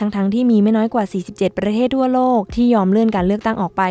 ทั้งที่มีไม่น้อยกว่า๔๗ประเทศทั่วโลกที่ยอมเลื่อนการเลือกตั้งออกไป